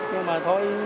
nhưng mà thôi